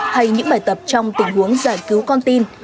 hay những bài tập trong tình huống giải cứu con tin